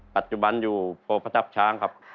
ปัจจุบันอยู่ปพระทัพช้างครับ